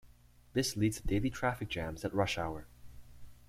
This leads to daily traffic jams at rush hour.